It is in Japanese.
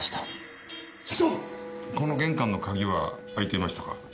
この玄関の鍵は開いていましたか？